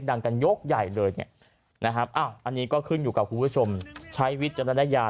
อันนี้ก็ขึ้นอยู่กับคุณผู้ชมใช้วิแบกและยา